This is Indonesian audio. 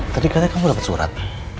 tadi katanya kamu dapat surat